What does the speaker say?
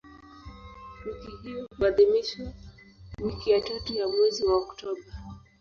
Wiki hiyo huadhimishwa wiki ya tatu ya mwezi Oktoba.